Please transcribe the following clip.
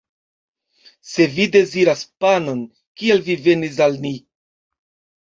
Se vi deziras panon, kial vi venis al ni?